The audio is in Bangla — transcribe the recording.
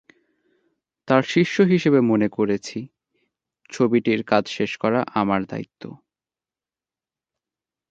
তাঁর শিষ্য হিসেবে মনে করেছি, ছবিটির কাজ শেষ করা আমার দায়িত্ব।